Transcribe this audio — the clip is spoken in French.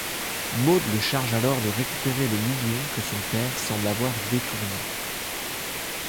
Maude le charge alors de récupérer le million que son père semble avoir détourné.